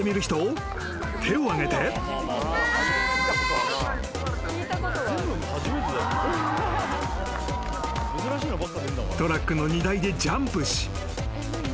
「はーい」［トラックの荷台でジャンプし］